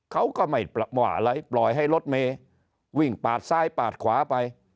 เขาก็ไม่ปล่อยให้รถเมตต้องวิ่งปากซ้ายปากขวาไป